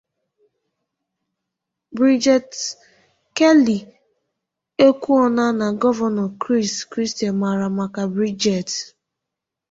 Bridget Kelley ekwuona na Gọvanọ Chris Christie mara maka brijigeti